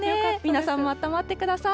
皆さんもあったまってください。